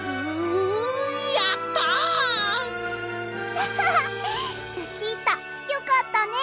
アハハッルチータよかったね。